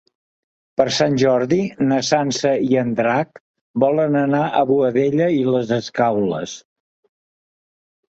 Per Sant Jordi na Sança i en Drac volen anar a Boadella i les Escaules.